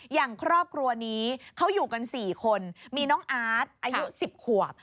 อย่างครอบครัวนี้เขาอยู่กัน๔คนมีน้องอาร์ตอายุ๑๐ขวบ